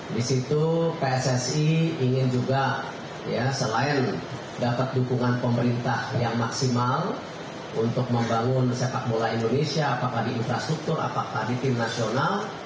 di situ pssi ingin juga ya selain dapat dukungan pemerintah yang maksimal untuk membangun sepak bola indonesia apakah di infrastruktur apakah di tim nasional